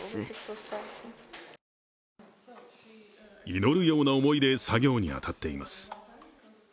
祈るような思いで作業に当たっています。